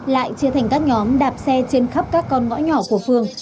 lại chia thành các nhóm đạp xe trên khắp các con ngõ nhỏ của phường